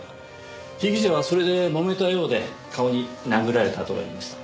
被疑者はそれでもめたようで顔に殴られた痕がありました。